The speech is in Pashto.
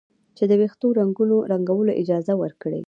چې د ویښتو د رنګولو اجازه ورکړي.